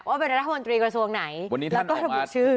ว่าเป็นรัฐมนตรีกระทรวงไหนวันนี้แล้วก็ระบุชื่อ